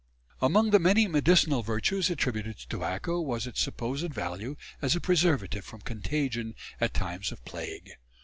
Among the many medicinal virtues attributed to tobacco was its supposed value as a preservative from contagion at times of plague.